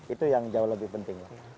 itu yang jauh lebih penting